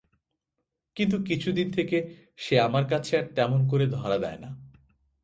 কিন্তু কিছুদিন থেকে সে আমার কাছে আর তেমন করে ধরা দেয় না।